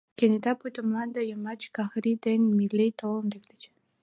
Кенета пуйто мланде йымач Кӓхри ден Милли толын лектыч.